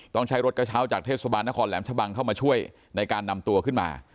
ต้องใช้รถกระเช้าจากเทศบาลนครแหลมชะบังเข้ามาช่วยในการนำตัวขึ้นมา